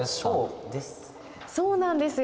そうなんですよ。